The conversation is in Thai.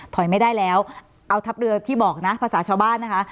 ไม่ได้แล้วเอาทัพเรือที่บอกนะภาษาชาวบ้านนะคะ